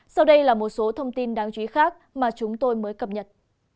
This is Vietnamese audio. sau đây là một số thông tin đáng chú ý khác mà chúng tôi mới cập nhật